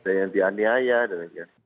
dan yang dianiaya demikian